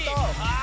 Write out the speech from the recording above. あ！